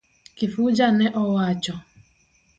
Kifuja ne owacho.